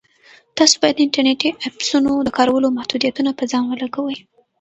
تاسو باید د انټرنیټي ایپسونو د کارولو محدودیتونه په ځان ولګوئ.